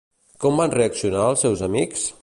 Com van reaccionar els seus amics?